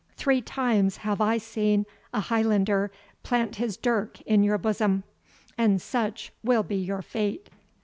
Three times have I seen a Highlander plant his dirk in your bosom and such will be your fate."